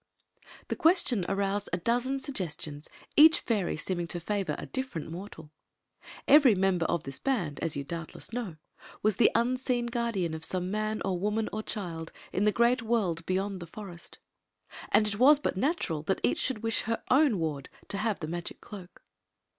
The question aroused a dozen sugge^ons, each Mry seeming to £ivor a difiermt mortal Evary member oi diis band, as you doubtless know, was the unseen guardian of some man or woman or child in the great world beyond the forest, and it Sut natural that each should wish her own wax y have the magic cloak.